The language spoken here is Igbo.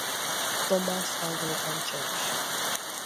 Thomas Anglican Church